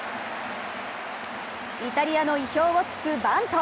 イタリアの意表をつくバント。